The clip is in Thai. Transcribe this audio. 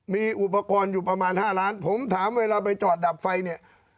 มีอุปกรณ์อยู่ประมาณ๕ล้านผมถามเวลาไปจอดดับไฟเนี่ย